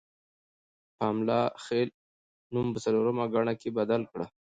پملا خپل نوم په څلورمه ګڼه کې بدل کړ.